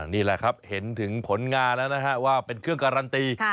นี่แหละครับเห็นถึงผลงานแล้วนะฮะว่าเป็นเครื่องการันตี